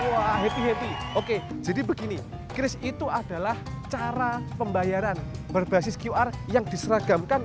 wah happy happy oke jadi begini kris itu adalah cara pembayaran berbasis qr yang diseragamkan